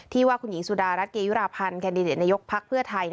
ว่าคุณหญิงสุดารัฐเกยุราพันธ์แคนดิเดตนายกภักดิ์เพื่อไทย